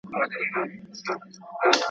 جهاني به له لکړي سره ځوان سي. .